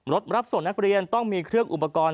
รับส่งนักเรียนต้องมีเครื่องอุปกรณ์